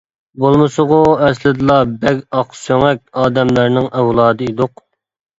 بولمىسىغۇ ئەسلىدىلا بەگ ئاقسۆڭەك ئادەملەرنىڭ ئەۋلادى ئىدۇق.